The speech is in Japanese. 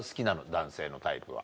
男性のタイプは。